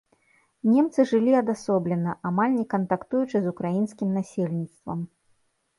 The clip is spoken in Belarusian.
Немцы жылі адасоблена, амаль не кантактуючы з украінскім насельніцтвам.